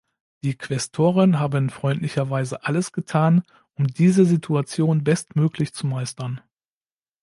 Die Quästoren haben freundlicherweise alles getan, um diese Situation bestmöglich zu meistern.